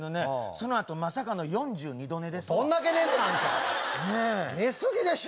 そのあとまさかの４２度寝ですわどんだけ寝るねんアンタねえ寝過ぎでしょ